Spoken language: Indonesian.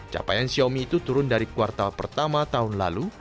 capaian xiaomi itu turun dari kuartal pertama tahun lalu